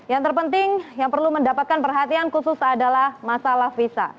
yang terpenting yang perlu mendapatkan perhatian khusus adalah masalah visa